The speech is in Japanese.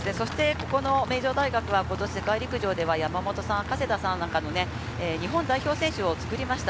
名城大学はことし世界陸上で山本さん、加世田さんなどの日本代表選手を作りました。